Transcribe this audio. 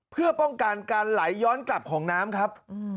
เพื่อป้องกันการไหลย้อนกลับของน้ำครับ